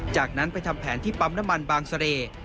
จากนั้นไปทำแผนที่ปั๊มน้ำมันบางเสร่